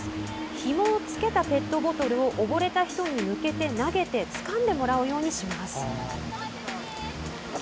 ひもをつけたペットボトルを溺れた人に向けて投げてつかんでもらうようにします。